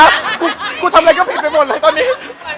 เดี๋ยวนะกูทำอะไรก็ผิดไปหมดเลยตอนนี้